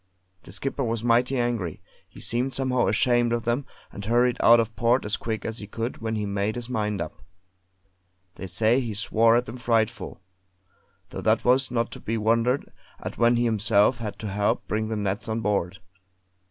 The Skipper was mighty angry; he seemed somehow ashamed of them, and hurried out of port as quick as he could when he made his mind up. They say he swore at them frightful; though that was not to be wondered at when he himself had to help bring the nets on board.